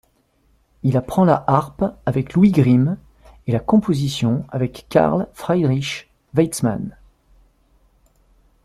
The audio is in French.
Il apprend la harpe avec Louis Grimm et la composition avec Carl Friedrich Weitzmann.